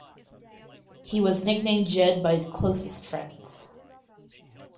He was nicknamed "Jed" by his closest friends.